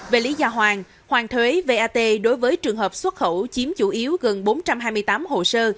về lý do hoàn hoàn thuế vat đối với trường hợp xuất khẩu chiếm chủ yếu gần bốn trăm hai mươi tám hồ sơ